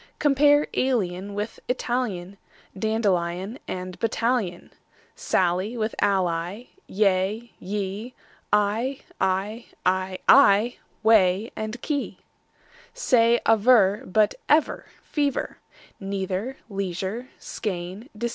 Compare alien with Italian, Dandelion with battalion, Sally with ally; yea, ye, Eye, I, ay, aye, whey, key, quay! Say aver, but ever, fever, Neither, leisure, skein, receiver.